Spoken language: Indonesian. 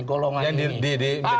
yang diri menjadi korban